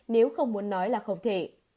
nếu không muốn nói là không thể